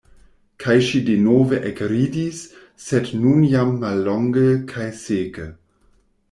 Kaj ŝi denove ekridis, sed nun jam mallonge kaj seke.